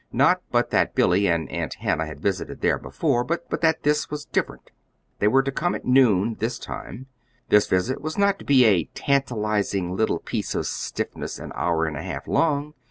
Not but that Billy and Aunt Hannah had visited there before, but that this was different. They were to come at noon this time. This visit was not to be a tantalizing little piece of stiffness an hour and a half long.